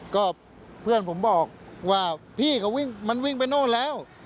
ก็เพื่อนผมบอกว่าพี่เขาวิ่งมันวิ่งไปโน่นแล้ว